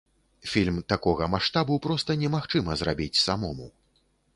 Фільм такога маштабу проста немагчыма зрабіць самому.